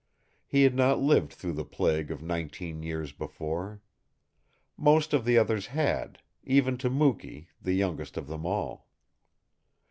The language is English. He had not lived through the plague of nineteen years before. Most of the others had, even to Mukee, the youngest of them all.